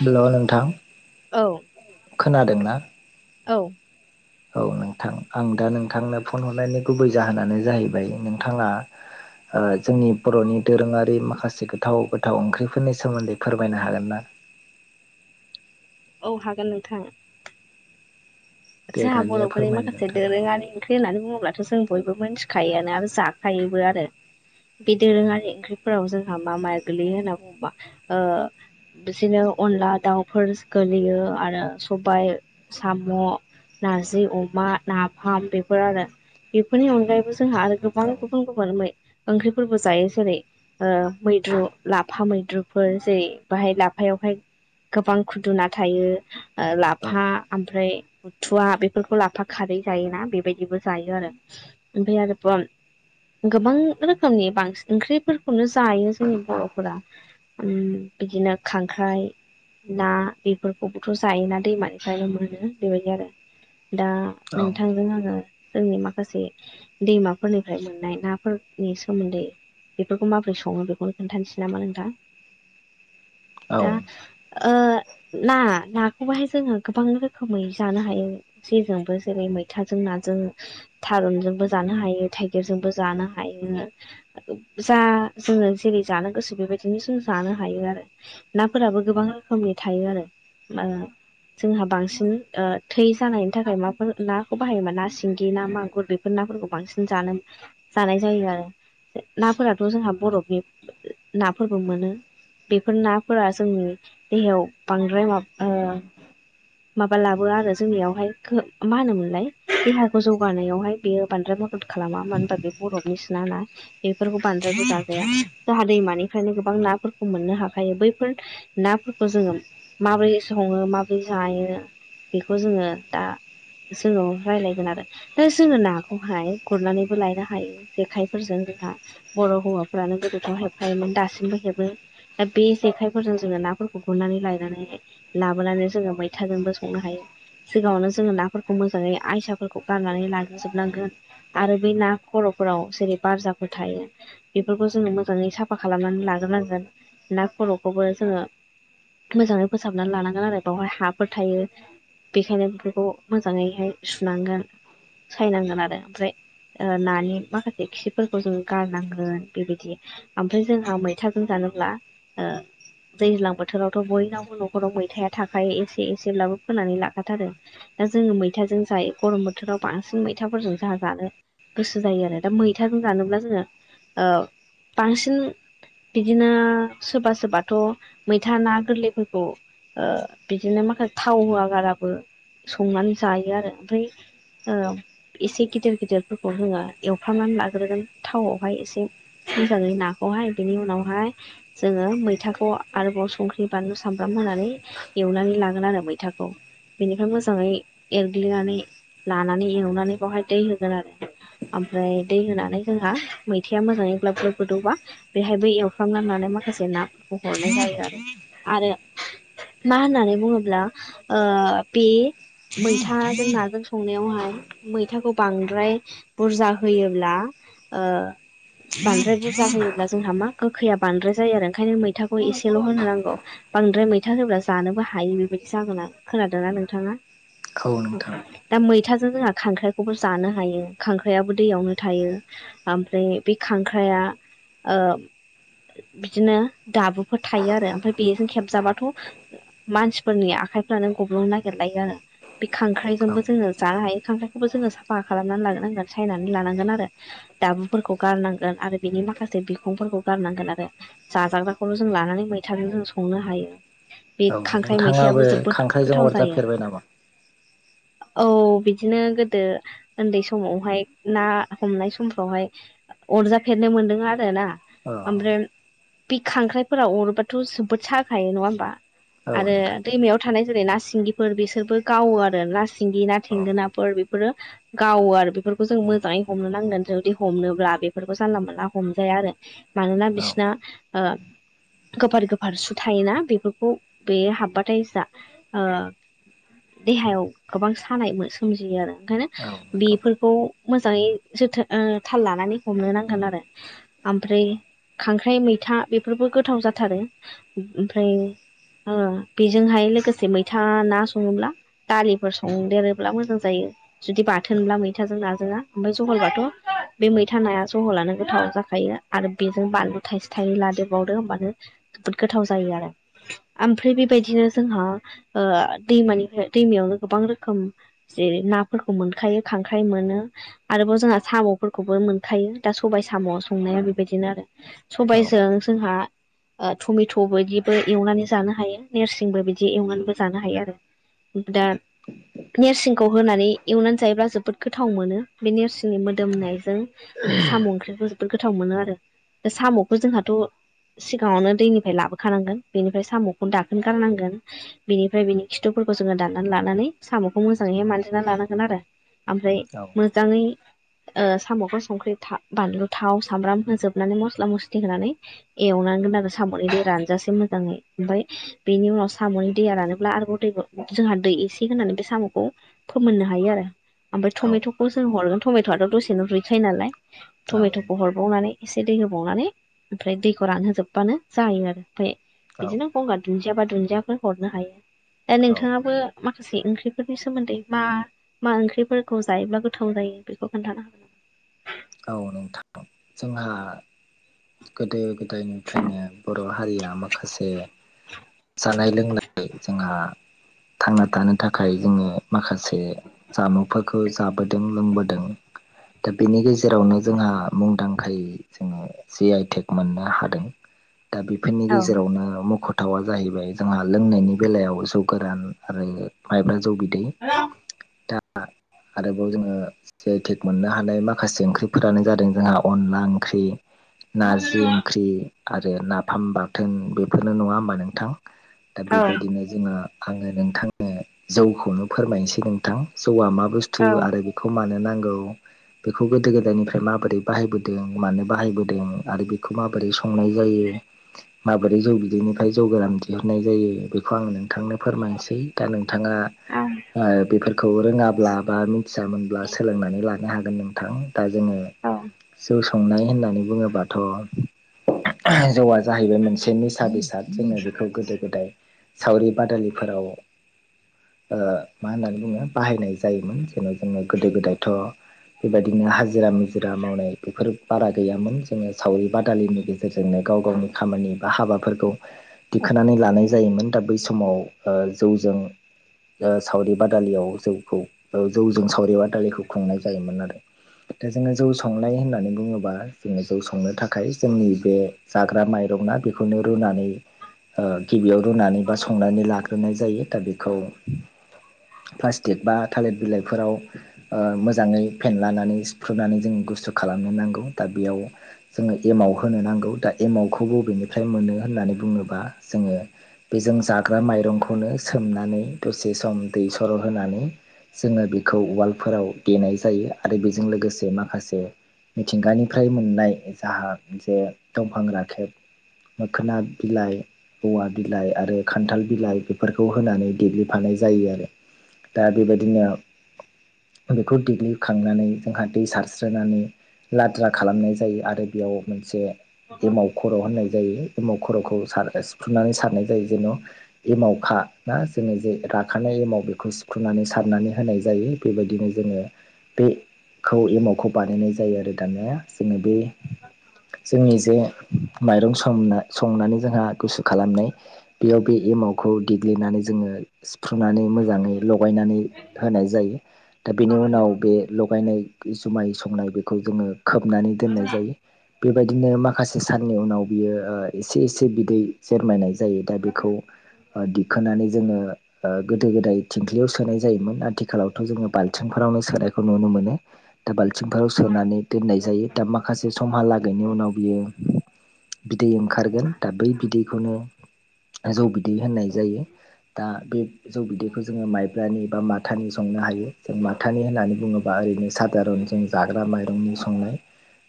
हेल' नोंथां औ [inaudible] खोनादों ना? औ। औ नोंथां आं दा नोंथांनो फन हरनायनि गुबै जाहोनानो जाहैबाय नोंथाङा जोंनि बर'नि दोरोङारि माखासे गोथाव गोथाव ओंख्रिफोरनि सोमोन्दै फोरमायनो हागोन ना औ हागोन नोंथां दे जोंहा दानिया बर'फोरनि फोरमायनो माखासे नोंथां औ दोरोङारि ओंख्रि होननानै बुङोब्लाथ' जों बयबो मिथिखायोआनो आरो जाखायोबो आरो बे दोरोङारि ओंख्रिफोराव जोंहा मा मा गोलैयो होनना बुङोबा ओ बिदिनो अनला दाउफोर गोगलैयो आरो सबायाइ, साम' नारजि, अमा, नाफाम बेफोर आरो बेफोरनि अनगायैबो जोंहा आरो गोबां औ गुबुन गुबुन [unintelligible] ओंख्रिफोरबो जायो जेरै ओ मैद्रु लाफा मैद्रुफोर जेरै बाहाय लाफायावहाय गोबां खुदुना थायो ओ औ लाफा ओमफ्राय थुवा बेफोरखौ लाफा खारै जायोना बेबायदिबो जायो आरो ओमफ्राय आरोब गोबां रोखोमनि बांसिन ओंख्रिफोरखौनो जायो जोंनि बर'फोरा उ बिदिनो खांख्राइ ना बेफोरखौबोथ' जायोना दैमानिफ्रायनो मोनो बेबायदि आरो दा औ नोंथांजों आङो जोंनि माखासे दैमाफोरनिफ्राय मोननाय नाफोरनि सोमोन्दै बेफोरखौ माबोरै सङो बेखौ खोनन्थानोसै नामा नोंथां। [inaudible] दा ओ ना नाखौबोहाय जोङो गोबां रोखोमै जानो हायो। जेजोंबो जेरै मैथाजों नाजों थारुनजोंबो जानो हायो थाइगिरजोंबो जानो हायो जा जोङो जेरै जानो गोसो बेबायदिनो जों जानो हायो आरो नाफोराबो गोबां रोखोमनि थायो आरो ओ जोंहा बांसिन ओ थै जानायनि थाखाय माफोर नाखौ बाहायोमोन ना सिंगि ना मागुर बेफोर नाफोरखौ बांसिन जानो जानाय जायो आरो नाफोराथ' जोंहा बरफ बे नाफोरबो मोनो बेफोर नाफोरा जोंनि देहायाव बांद्राय माबा ओ माबा लाबोवा आरो जोंनियावहाय मा होनोमोनलाय देहाखौ जौगानायावहाय बेयो बांद्राय मो दोद खालामा मानो होनबा बे बरफ'नि सोना ना बेफोरखौ बांद्रायबो जाजाया जाहा दैमानिफ्रायनो गोबां नाफोरखौ मोननो हाखायो बैफोर नाफोरखौ जोङो माबोरै सङो माबोरै जायो। बेखौ जोङो दा जोङो रायज्लायगोन आरो दा जोङो नाखौहाय गुरनानैबो लायनो हायो जेखाइफोरजों जोंहा बर' हौवाफ्रानो गोदोखौ हेबखायोमोन दासिमबो हेबो दा बे जेखाइफोरजों जोङो नाफोरखौ गुरनानै लायनानै लाबोनानै जोङो मैथाजोंबो संनो हायो। सिगाङावनो जोङो नाफोरखौ मोजाङै आयसाफोरखौ गारनानै लाग्रोजोबनांगोन। आरो बै ना खर'फोराव जेरै बारजाफोर थायो। बेफोरखौ जोङो मोजाङै साफा खालामनानै लाग्रोनांगोन ना खर'खौबो जोङो मोजाङै फोसाबनानै लानांगोन आरो बेवहाय हाफोर थायो। बेखायनो बेखौ मोजाङैहाय सुनांगोन सायनांगोन आरो ओमफ्राय ओ नानि माखासे खिफोरखौ जोङो गारनांगोन बेबायदि ओमफ्राय जोंहा मैथाजों जानोब्ला ओ दैज्लां बोथोरावथ' बयनावबो न'खराव मैथाया थाखायो एसे एसेब्लाबो फोनानै ला खा थारो दा जोङो मैथाजों जायो गरम बोथोराव बांसिन मैथाफोरजों जोंहा जानो गोसो जायो आरो दा मैथाजों जानोब्ला जोङो ओ बांसिन बिदिनो सोरबा सोरबाथ' मैथा ना गोरलैफोरखौ ओ बिदिनो माखासे थाव होवगाराबो संनानै जायो आरो ओमफ्राय ओ एसे गिदिर गिदिरफोरखौ जोङो एवफ्रामनानै लाग्रोगोन थावआवहाय एसे मोजाङै नाखौहाय बेनि उनावहाय जोङो मैथाखौ आरोबाव संख्रि। बानलु सामब्राम होनानै एवनानै लागोन आरो मैथाखौ। बेनिफ्राय मोजाङै एरग्लिनानै लानानै एवनानै बावहाय दै होगोन आरो। आमफ्राय दै होनानै जोंहा मैथाया मोजाङै ग्लाब ग्लोब गोदौबा। बेहायबो एवफ्रामलांनानै माखासे नाफोरखौ हरनाय जायो आरो। आरो मा होननानै बुङोब्ला ओ बे मैथाजों नाजों संनायावहाय मैथाखौ बांद्राय बुरजा होयोब्ला ओ बांद्राय बुरजा होयोब्ला जोंहा मा गोखैया बांद्राय जायो आरो ओंखायनो मैथाखौ एसेल' होनो नांगौ। बांद्राय मैथा होब्ला जानोबो हायो बेबायदि जागोना खोनादों। दाना नोंथाङा औ नोंथां दा मैथाजों जोंहा खांख्राइखौबो जानो हायो। खांख्राइाबो दैयावनो थायो। आमफ्राय बे खांख्राया ओ बिदिनो दाबुफोर थायो आरो ओमफ्राय बेजों खेबजाबाथ' मानसिफोरनि आखाइफ्रानो गब्लुंनो नागिरलायो आरो। बे औ खांख्राइजोंबो जोङो जानो हायो खांख्राइखौबो जोङो साफा खालामनानै लोनांगोन सायनानै लानांगोन आरो। दाबुफोरखौ गारनांगोन आरो बिनि माखासे बिखंफोरखौ गारनांगोन आरो। जाजाग्राखौल' जों लानानै मैथाजों जों संनो हायो। बे औ खांख्राइ नोंथाङाबो मैथायाबो जोबोद खांख्राइजों गोथाव जायो। अरजाफेरबाय नामा? औ बिदिनो गोदो ओन्दै समावहाय ना हमनाय समफ्रावहाय अरजाफेरनो मोनदों आरो ना अ ओमफ्राय। बे खांख्राइफोरा अरोबाथ' जोबोद साखायो नङा होमबा औ आरो नोंथां दैमायाव थानाय जेरै ना सिंगिफोर बिसोरबो गावो आरो ना सिंगि ना औ थेंगोनाफोर बेफोरो गावो आरो बेफोरखौ जों मोजाङै हमनो नांगोन जुदि हमनोब्ला बेफोरखौ जानला मोनला हमजाया आरो। मानोना औ बिसिना ओ गोफार गोफार सु थायोना बेफोरखौ बे हाब्बाथाय जा ओ देहायाव गोबां सानाय मो सोमजियो आरो ओंखायनो औ नंगौ बेफोरखौ मोजाङै जोथोन ओ थाल लानानै हमनो नांगोन आरो। आमफ्राय खांख्राइ मैथा बेफोरबो गोथाव जाथारो। ओमफ्राय ओ बेजोंहाय लोगोसे जे मैथा ना सङोब्ला दालिफोर संदेरोब्ला मोजां जायो। जुदि औ बाथोनब्ला मै थाजों नाजोङा ओमफाय जहलबाथ' बे मैथा नाया जहलानो गोथाव जाखायो। आरो बेजों बानलु थाइसे थाइनै लादेरोबावदो होमबानो जोबोद गोथाव जायो आरो। आमफ्राय बेबायदिनो जोंहा ओ दैमानिफ्राय दैमायावनो गोबां रोखोम जेरै- नाफोरखौ मोनखायो खांख्राइ मोनो। आरोबाव जोंहा साम'फोरखौबो मोनखायो दा सबायाइ साम' संनाया बेबायदिनो आरो। औ सबायाइजों जोंहा ओ टमेट' बायदिबो एवनानै जानो हायो नोरसिंबो बिदि एवनानैबो जानो हायो आरो। दा नेरसिं खौ होनानै एवनानै जायोब्ला जोबोद गोथाव मोनो बे नेरसिंनि मो दोमनायजों साम' ओंख्रिखौ जोबोद गोथाव मोनो आरो। बे साम'खौ जोंहाथ' सिगाङावनो दैनिफ्राय लाबोखानांगोन बेनिफ्राय साम'खौनो दाखोन गारनांगोन। बिनिफ्राय बिनि खिथुफोरखौ जोङो दाननानै लानानै साम'खौ मोजाङै मानजिना लानांगोन आरो। आमफ्राय मोजाङै ओ साम'खौ संख्रि था बानलु थाव सामब्राम होजोबनानै मस्ला मस्लि होनानै एवनांगोन आरो साम'नि दै रानजासे मोजाङै ओमफाय बेनि उनावस साम'नि दैया रानोब्ला आरोबाव दैखौ जोंहा दै एसे होनानै बे साम'खौ फोमोननो हायो आरो। आमफाय टमेट'खौ जों हरगोन टमेट'आथ' दसेनो रुइखायो नालाय टमेट'खौ हर बावनानै एसे दै होबावनानै ओमफ्राय दैखौ रानहोजोबबानो जायो आरो ओमफाय औ बिदिनो गंगार दुन्दिया बा दुन्दियाफोर हरनो हायो दा औ नोंथाङाबो माखासे ओंख्रिफोरनि सोमोन्दै मा मा ओंख्रिफोरखौ जायोब्ला गोथाव जायो बेखौ खोन्थानो हागोन। औ नोंथां जोंहा गोदो गो दायनिफ्रायनो बर' हारिया माखासे जानाय लोंनाय जोंहा थांना थानो थाखाय जोङो माखासे जामुंफोरखौ जाबोदों लोंबोदों दा बेनि गेजे जेरावनो जोंहा मुंदांखायै जोङो जि आइ टेक मोननो हादों। दा बेफोरनि औ गेजेरावनो मख' थावा जाहैबाय जोंहा लोंनायनि बेलायाव जौ गोरान आरो माइब्रा जौ बिदै दा आरोबाव जोङो जि आइ टेक मोननो हानाय माखासे ओंख्रि फोरानो जादों जोंहा अनला ओंख्रि नारजि ओंख्रि आरो नाफाम बाथोन बेफोरनो नङा होमबा नोंथां दा बेबायदिनो जोङो आंङो नोंथांनो जौखौनो फोरमायनोसै नोंथां जौआ मा बुस्थु औ आरो बे खौ मानो नांगौ बेखौ गोदो गोदायनिफ्राय माबोरै बाहायबोदों मानो बाहायबोदों आरो बे खौ माबोरै संनाय जायो माबोरै जौ बिदैनिफ्राय जौ गोरान दिहुननाय जायो बे खौ आं नोंथांनो फोरमायनोसै दा नोंथाङा औ ओ बेफोरखौ रोङाब्ला बा मिथियामोनब्ला सोलोंनानै लानो हागोन नोंथां। दा जोङो औ जौ संनाय होननानै बुंङोबाथ' [unintelligible] जौआ जाहैबाय मोनसे निसा बेसाद। जोनो बेखौ गोदो गोदाय सावरि बादालिफोराव मा होननानै बुङो बाहायनाय जायोमोन जेन' जोङो गोदो गोदायथ' बेबायदिनो हाजिरा मुजिरा मावनाय बेफोर बारा गैयामोन जोङो सावरि बादालिनि गेजेरजोंनो गाव गावनि खामानि बा हाबाफोरखौ दिखोनै लानाय जायोमोन दा बै समाव ओ जौजों ओ सावरि बादालियाव जौखौ ओ जौजों सावरि बादालिखौ खुंनाय जायोमोन आरो। दा जोङो जौ संनाय होननानै बुंङोबा जोङो जौ संनो थाखाय जोंनि बे जाग्रा माइरं ना बेखौनो रुनानै ओ गिबियाव रुनानै बा संनानै लाग्रोनाय जायो दा बेखौ प्लास्टिक बा थालिर बिलाइफोराव ओ मोजाङै फेनलानानै खुरनानै जों गुसु खालामनो नांगौ दा बेयाव जोङो एमाव होनो नांगौ दा एमावखौ बबेनिफ्राय मोनो होननानै बुंङोबा जोङो बे जों जाग्रा माइरंखौनो सोमनानै दसे सम दै सर' होनानै जोङो बेखौ उवालफोराव देनाय जायो आरो बेजों लोगो से माखासे मिथिंगानिफ्राय मोननाय जाहा जे दंफां राखेब मोखोना बिलाइ औवा बिलाइ आरो खान्थाल बिलाइ बेफोरखौ होनानै देग्लिफानाय जायो आरो। दा बेबायदिनो बेखौ देग्लिखांनानै जोंहा दै सारस्रोनानै लाद्रा खालामनाय जायो आरो बेयाव मोनसे एमाव खर' होननाय जायो एमाव खर'खौ सार सिफ्रुनानै सारनाय जायो जेन' एमावखा ना जोङो जे राखानाय एमाव बेखौ सिफ्रुनानै सारनानै होनाय जायो। बेबायदिनो जोङो बे खौ एमाव खौ बानायनाय जायो आरो दानिया जोङो बे जोंनि जे माइरं सोमना संनानै जोंहा गुसु खालामनाय बेयाव बे एमावखौ देग्लिनानै जोङो सिफ्रुनानै मोजाङै लगायनानै होनाय जायो दा बेनि उनाव बे लगायनाय जुमाय संनाय बेखौ जोङो खोबनानै दोननाय जायो। बेबायदिनो माखासे साननि उनाव ओ बियो एसे एसे बिदै जेरमायनाय जायो दा बेखौ ओ दिखोनानै जोङो गोदो -गोदाय थिंख्लियाव सोनाय जायोमोन। आथिखालावथ' जोङो बाल् बालथिंफोरावनो सोनायखौ नुनो मोनो। दा बाल्थिंफोराव सोनानै दोननाय जायो माखासे समहालागैनि उनाव बियो बिदै ओंखारगोन दा बै बिदैखौनो जौ बिदै होननाय जायो। दा बे जौ बिदैखौ जोङो माइब्रानि बा माथानि संनो हायो जों माथानि होननानै बुङोबा ओरैनो सार जों जाग्रा माइरंनि संनाय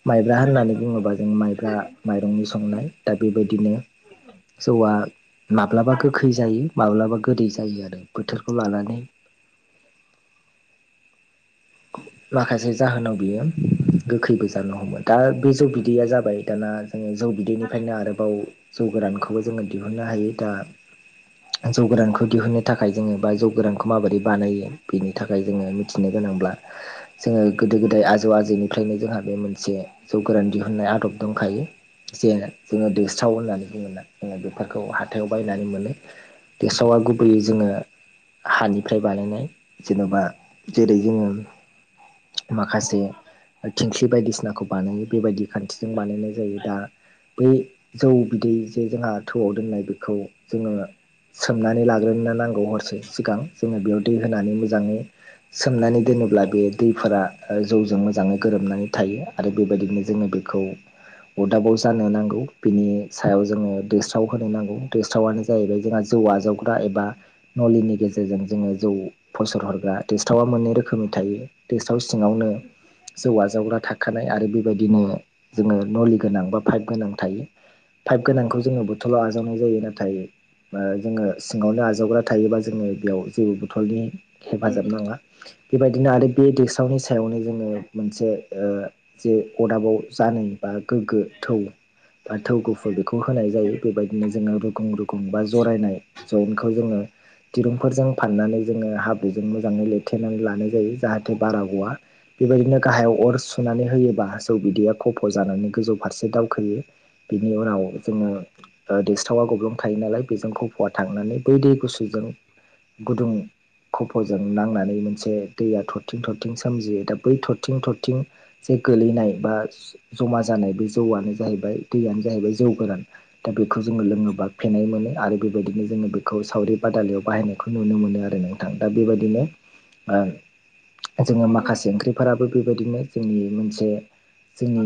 माइब्रा होननानै बुङोबा जों माइब्रा माइरंनि संनाय दा बेबायदिनो जौआ माब्लाबा गोखै जायो माब्लाबा गोदै जायो आरो बोथोरखौ लानानै। माखासे जाहोनाव बियो गोखैबो जानो हमो दा बे जौ बिदैया जाबाय दाना जोंङो जौ बिदैनिफ्रायनो आरोबाव जौ गोरानखौबो जोंङो दिहुननो हायो। दा जौ गोरानखौ दिहुननो थाखाय जोंङो बा जौ गोरानखौ माबोरै बानायो बेनि थाखाय जोंङो मिथिनो गोनांब्ला जोंङो गोदो गोदाय आजौ आजौनिफ्रायनो जोंहा बे मोनसे जौ गोरान दिहुनाय आदब दंखायो। जे जोंङो दोस्राव होननानै बुंङो जोंङो बेफोरखौ हाथायाव बायनानै मोनो। देसावा गुबैयै जोंङो हानिफ्राय बानायनाय जेन'बा जेरै जोंङो माखासे थिंख्लि बायदिसिनाखौ बानायो बेबायदि खान्थिजों बानायनाय जायो दा बै जौ बिदै जे जोंहा थौआव दोननाय बेखौ जोंङो सोमनानै लाग्रोनो नांगौ हरसे सिगां जोंङो बेयाव दै होनानै मोजांङै सोमनानै दोनोब्ला बे दैफोरा जौजों मोजांङै गोरोबनानै थायो। आरो बेबायदिनो जोंङो बेखौ अरदाबाव जानो नांगौ बिनि सायाव जोंङो दैेसाव होनो नांगौ दैस्रावनो जाहैबाय जोंहा जौ आ जावग्रा एबा नलिनि गेजेरजों जोंङो जौ फसर हरग्रा टेस्टावा मोननै रोखोमनि थायो। देसाव सिंङावनो जौव जावग्रा थाखानाय आरो बे बेबायदिनो जोंङो नलि गोनां बा पाइप गोनां थायो। पाइप गोनांखौ जोंङो बथलाव आजावनाय जायो नाथाय जोंङो सिंङावनो आजावग्रा थायोबा जोंङो बेयाव जेबो बथलनि हेफाजाब नांङा बेबायदिनो आरो बे डेक्सावनि सायावनो जोंङो मोनसे जे अदाबाव जानाय बा गोग्गो थौ बा थौ गुफुर बेखौ होनाय जायो। बेबायदि बिनो जोंङो रुगुं -रुगुं बा जरायनाय जयेनटखौ जोंङो दिरुंफोरजों फाननानै जोंङो हाब्रुजों मोजाङै लेथेनानै लानाय जायो जाहाथे बारा ग'वा बेबायदिनो गाहायाव अर सुनानै होयोबा जौ बिदैया खफ' जानानै गोजौ फारसे दावखोयो। बिनि उनाव जोंङो ओ दोसावया गोब्लं थायो नालाय बेजोंखौ फवा थांनानै बै दै गुसुजों गुदुं खफ'जों नांनानै मोनसे दैया थर थरथिं -थरथिं सोमजियो दा बै थरथिं- थरथिं जे गोलैनाय बा जमा जानाय बे जौआनो जाहैबाय दैयानो जाहैबाय जौ गोरान। दा बेखौ जोंङो लोङोबा फेनाय मोनो आरो बेबायदिनो जोंङो बेखौ सावरि बादालियाव बाहायनायखौ नुनो मोनो आरो। दा बेबायदिनो जोंङो माखासे ओंख्रिफोराबो बेबायदिनो जोंनि मोनसे जोंनि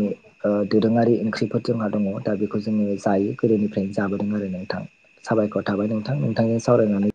दोरोंङारि ओंख्रिफोर जोंहा दङ दा बेखौ जोंङो जायो गोदोनिफ्रायनो जाबोदों आरो नोंथां। साबायखर थाबाय नोंथां नोंथांजों सावरायनानै